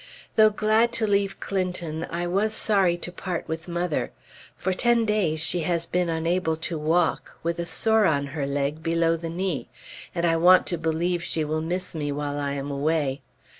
Though glad to leave Clinton, I was sorry to part with mother. For ten days she has been unable to walk, with a sore on her leg below the knee; and I want to believe she will miss me while I am away.